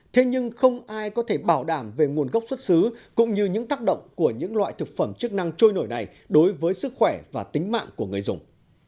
thế nhưng không ai có thể bảo đảm về nguồn gốc xuất xứ cũng như những tác động của những loại thực phẩm chức năng trôi nổi này đối với sức khỏe và tính mạng của người dùng